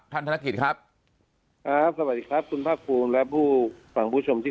ท่านธนกฤษครับสวัสดีครับคุณภาคภูมิและผู้ฝั่งผู้ชมที่